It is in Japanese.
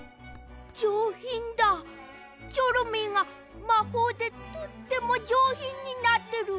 じょうひんだチョロミーがまほうでとってもじょうひんになってる。